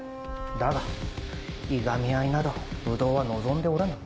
だがいがみ合いなどブドウは望んでおらぬ。